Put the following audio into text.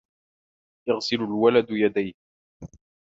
يَغْسِلُ الْوَلَدُ يَدَيْهِ.